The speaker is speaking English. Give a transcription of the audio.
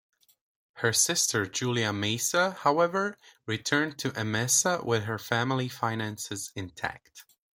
Her sister Julia Maesa, however, returned to Emesa with her family finances intact.